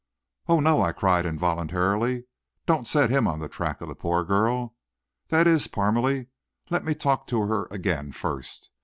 "Oh, no," I cried involuntarily. "Don't set him on the track of the poor girl. That is, Parmalee, let me talk to her again, first.